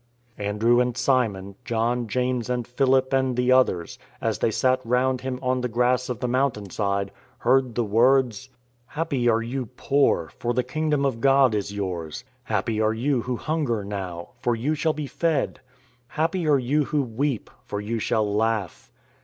Andrew and Simon, John, James and Philip and the others, as they sat round Him on the grass of the mountain side, heard the words: " Happy are you poor, for the Kingdom of God is yours. Happy are you who hunger now, for you shall be fed. Happy are you who weep, for you shall laugh.